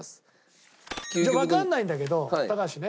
わかんないんだけど高橋ね